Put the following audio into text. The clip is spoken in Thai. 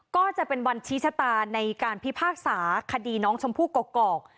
ก็จะเป็นวันชี้ชะตาในการพิพากษาคดีน้องชมพู่กอก